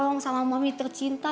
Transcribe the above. diorong sama mami tercinta